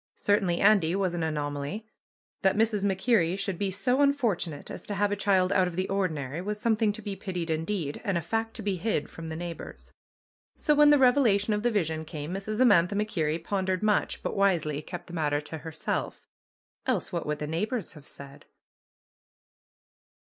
Cer tainly Andy was an anomaly. That Mrs. MacKerrie should be so unfortunate as to have a child out of the ordinary was something to be pitied indeed and a fact to be hid from the neighbors. So when the revelation of the vision came Mrs. Amantha MacKerrie pondered much, but wisely kept the matter to herself. Else what would the neighbors have said?